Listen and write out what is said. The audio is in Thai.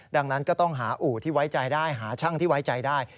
ดังนั้นก็ต้องหาอู่ที่ไว้ใจได้หาช่างที่ไว้ใจได้